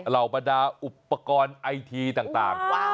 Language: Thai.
ระบดาอุปกรณ์ไอทีต่าง